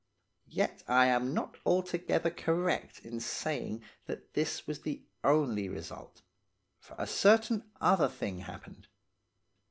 Yet I am not altogether correct in saying that this was the only result, for a certain other thing happened.